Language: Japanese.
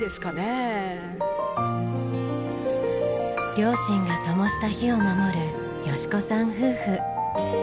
両親がともした火を守る芳子さん夫婦。